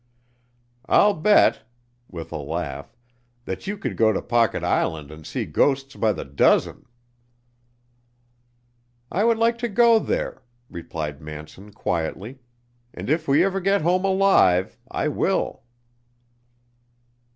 I'll bet," with a laugh, "that you could go to Pocket Island and see ghosts by the dozen." "I would like to go there," replied Manson quietly, "and if we ever get home alive, I will."